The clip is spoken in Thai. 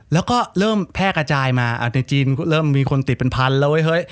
แล้วก็เริ่มแพร่กระจายมาในจีนเริ่มมีคนติดเป็นพันแล้วเฮ้ย